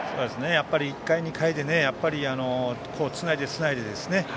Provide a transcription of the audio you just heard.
１回、２回でつないで、つないでですね